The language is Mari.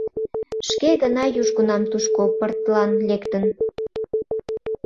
Шке гына южгунам тушко пыртлан лектын.